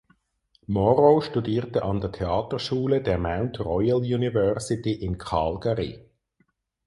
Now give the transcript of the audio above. Morrow studierte an der Theaterschule der Mount Royal University in Calgary.